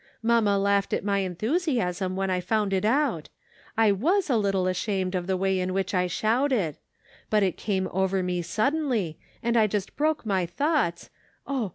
Mamma laughed at my enthusiasm, when I found it out ; I was a little ashamed of the way in which I shouted ; but it came over me suddenly, and I just broke my thoughts :' Oh